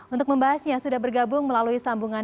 untuk membahasnya sudah bergabung melalui sambungan